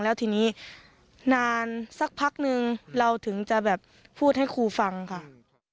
แล้วทีนี้นานสักพักนึงเราถึงจะแบบพูดให้ครูฟังค่ะ